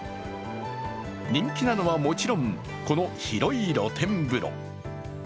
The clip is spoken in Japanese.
人気なのはもちろん、この広い露天風呂。